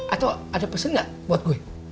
atau ada pesan gak buat gue